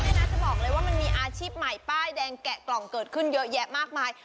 น่าจะบอกเลยว่ามันมีอาชีพใหม่ป้ายแดงแกะกล่องเกิดขึ้นเยอะแยะมากมาย